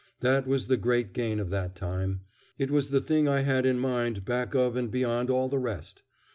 That was the great gain of that time. It was the thing I had in mind back of and beyond all the rest.